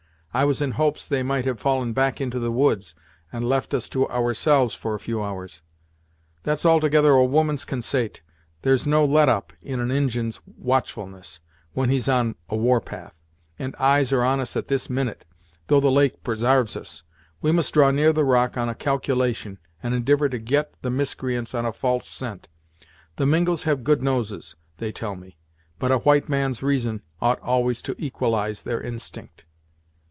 I was in hopes they might have fallen back into the woods, and left us to ourselves for a few hours." "That's altogether a woman's consait. There's no let up in an Injin's watchfulness when he's on a war path, and eyes are on us at this minute, 'though the lake presarves us. We must draw near the rock on a calculation, and indivor to get the miscreants on a false scent. The Mingos have good noses, they tell me; but a white man's reason ought always to equalize their instinct."